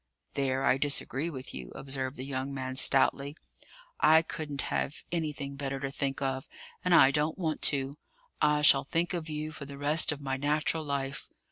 "There I disagree with you," observed the young man stoutly. "I couldn't have anything better to think of, and I don't want to. I shall think of you for the rest of my natural life.